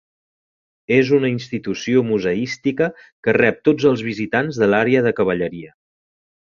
És una institució museística que rep tots els visitants de l'àrea de Cavalleria.